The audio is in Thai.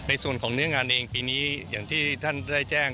ในส่วนของเนื้องานเองปีนี้อย่างที่ท่านได้แจ้ง